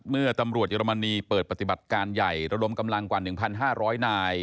เมื่อตำรวจเยอรมนีเปิดปฏิบัติการใหญ่ระดมกำลังกว่า๑๕๐๐นาย